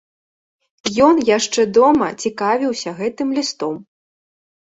Ён яшчэ дома цікавіўся гэтым лістом.